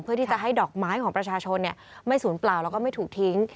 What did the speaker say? เพื่อที่จะให้ดอกไม้ของประชาชนไม่สูญเปล่าแล้วก็ไม่ถูกทิ้ง